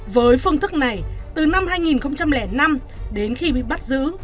với phương thức này từ năm hai nghìn năm đến khi bị bắt giữ